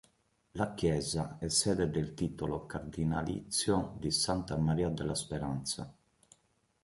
La chiesa è sede del titolo cardinalizio di Santa Maria della Speranza.